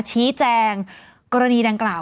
ชี้แจงกรณีดังกล่าว